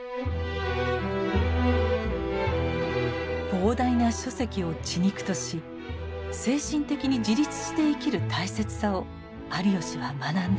膨大な書籍を血肉とし精神的に自立して生きる大切さを有吉は学んだのです。